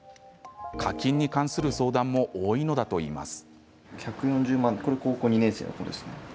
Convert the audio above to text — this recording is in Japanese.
課金に関する相談も多いのだといいます。